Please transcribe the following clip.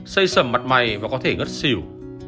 xây sầm mặt mày và có thể ngất xỉu